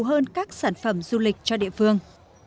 hơn các sản phẩm du lịch cho địa phương